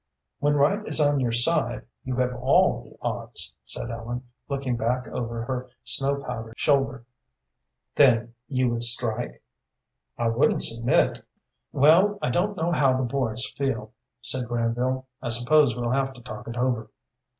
"When right is on your side, you have all the odds," said Ellen, looking back over her snow powdered shoulder. "Then you would strike?" "I wouldn't submit." "Well, I don't know how the boys feel," said Granville. "I suppose we'll have to talk it over."